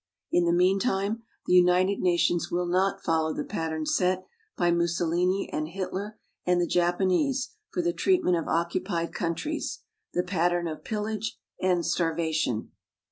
In the meantime, the United Nations will not follow the pattern set by Mussolini and Hitler and the Japanese for the treatment of occupied countries the pattern of pillage and starvation.